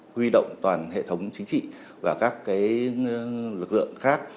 huy động toàn hệ thống chính trị và các lực lượng khác